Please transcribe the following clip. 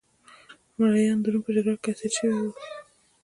مریان د روم په جګړه کې اسیر شوي وو